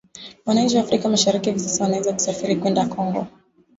Wananchi wa Afrika Mashariki hivi sasa wanaweza kusafiri kwenda Kongo